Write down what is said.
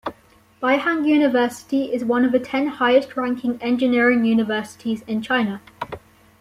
Beihang University is one of the ten highest ranking engineering universities in China.